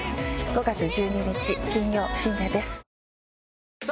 ５月１２日金曜深夜です。